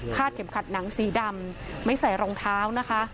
เข็มขัดหนังสีดำไม่ใส่รองเท้านะคะ